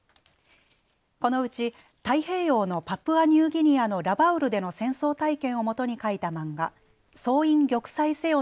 このうち太平洋のパプアニューギニアのラバウルでの戦争体験をもとに書いた漫画、総員玉砕せよ！